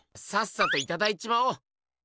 さっさといただいちまおう。